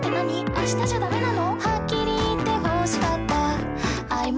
明日じゃダメなの？」